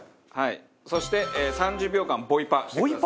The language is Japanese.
そして３０秒間ボイパしてください。